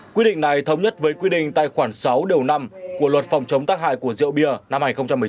quy định này thống nhất với quy định tài khoản sáu điều năm của luật phòng chống tác hại của rượu bia năm hai nghìn một mươi chín